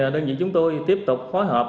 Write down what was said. đơn vị chúng tôi tiếp tục phối hợp